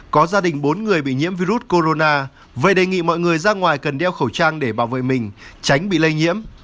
có gia đình bốn người bị nhiễm virus corona vậy đề nghị mọi người ra ngoài cần đeo khẩu trang để bảo vệ mình tránh bị lây nhiễm